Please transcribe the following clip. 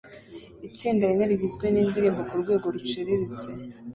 Itsinda rine rigizwe nindirimbo kurwego ruciriritse